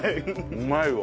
うまいわ。